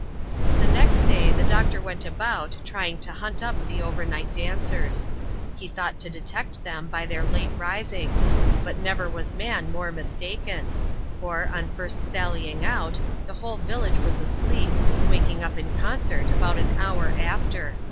The next day, the doctor went about, trying to hunt up the^ overnight dancers. He thought to detect them by their late rising ; but never was man more mistaken ; for, on first sallying out, the whole village was asleep, waking up in concert about an hour after.